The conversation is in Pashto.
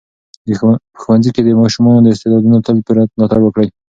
په ښوونځي کې د ماشومانو د استعدادونو تل پوره ملاتړ وکړئ.